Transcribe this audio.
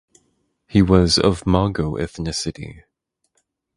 He was of Mongo ethnicity.